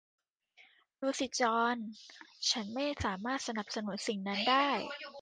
ดูสิจอห์น ฉันไม่สามารถสนับสนุนสิ่งนั้นได้